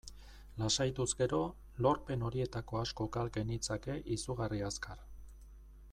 Lasaituz gero, lorpen horietako asko gal genitzake izugarri azkar.